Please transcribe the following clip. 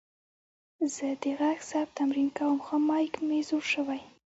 زه د غږ ثبت تمرین کوم، خو میک مې زوړ شوې.